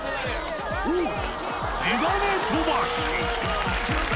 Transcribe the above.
奥義、眼鏡飛ばし。